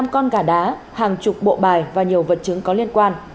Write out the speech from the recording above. một mươi năm con gà đá hàng chục bộ bài và nhiều vật chứng có liên quan